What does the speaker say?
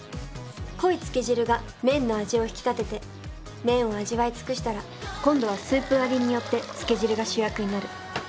濃いつけ汁が麺の味を引き立てて麺を味わい尽くしたら今度はスープ割りによってつけ汁が主役になる。